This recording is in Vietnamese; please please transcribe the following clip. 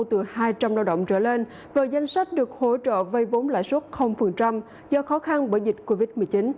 từ hai trăm linh lao động trở lên vào danh sách được hỗ trợ vây vốn lãi suất do khó khăn bởi dịch covid một mươi chín